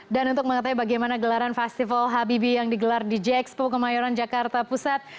dan untuk mengatai bagaimana gelaran festival habibi yang digelar di jeks pemukul mayoran jakarta pusat